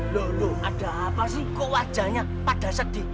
loh ada apa sih kok wajahnya pada sedih